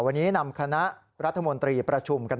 วันนี้นำคณะรัฐมนตรีประชุมกัน